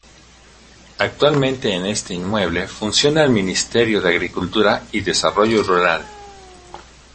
Actualmente en este inmueble funciona el Ministerio de Agricultura y Desarrollo Rural.